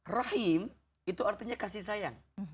rahim itu artinya kasih sayang